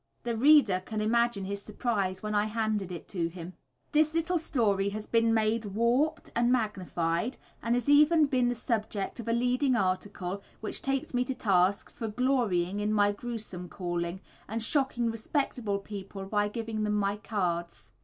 The reader can imagine his surprise when I handed it to him. This little story has been much warped and magnified, and has even been made the subject of a leading article which takes me to task for "glorying in my gruesome calling," and shocking respectable people by giving them my cards.